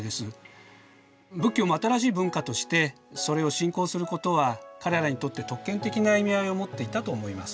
仏教も新しい文化としてそれを信仰することは彼らにとって特権的な意味合いを持っていたと思います。